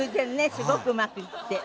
すごくうまくいって。